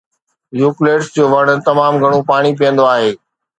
Eucalyptus جو وڻ تمام گهڻو پاڻي پيئندو آهي.